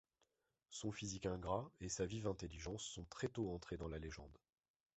Son physique ingrat et sa vive intelligence sont très tôt entrés dans la légende.